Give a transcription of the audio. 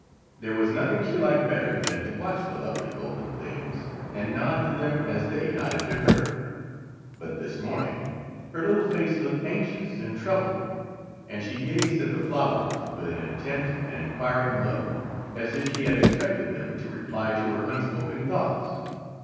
There was nothing she liked better than to watch the lovely golden things, and nod to them as they nodded to her; but this morning her little face looked anxious and troubled, and she gazed at the flowers with an intent and inquiring look, as if she had expected them to reply to her unspoken thoughts.